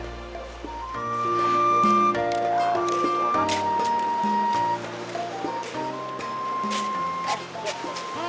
coba kita tunggu di situ aja yuk